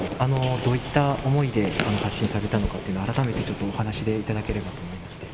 どういった思いで発信されたのかというのを、改めてちょっと、お話しいただければと思いまして。